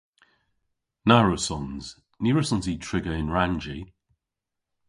Na wrussons. Ny wrussons i triga yn rannji.